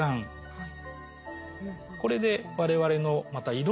はい。